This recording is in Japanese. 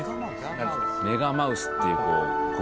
メガマウスっていうこう。